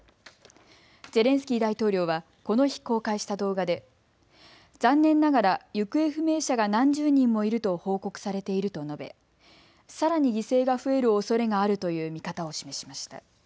ゼレンスキー大統領はこの日、公開した動画で残念ながら行方不明者が何十人もいると報告されていると述べ、さらに犠牲が増えるおそれがあるという見方を示しました。